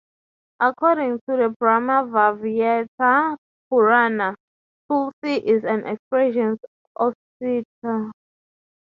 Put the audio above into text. According to the "Brahma Vaivarta Purana", "tulsi" is an expression of Sita.